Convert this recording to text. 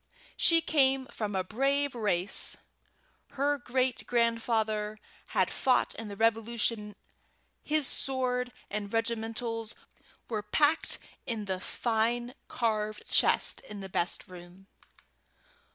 She came from a brave race. Her great grandfather had fought in the Revolution; his sword and regimentals were packed in the fine carved chest in the best room.